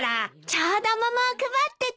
ちょうど桃を配ってて。